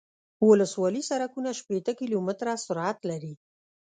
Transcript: ولسوالي سرکونه شپیته کیلومتره سرعت لري